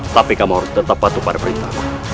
tapi kamu harus tetap patuh pada perintah